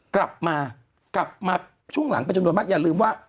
กลับมากลับมาช่วงหลังเป็นจำนวนมากอย่าลืมว่า